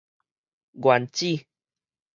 原子